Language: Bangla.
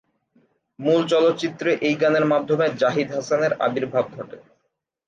মূল চলচ্চিত্রে এই গানের মাধ্যমে জাহিদ হাসানের আবির্ভাব ঘটে।